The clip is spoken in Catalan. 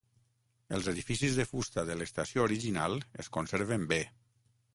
Els edificis de fusta de l'estació original es conserven bé.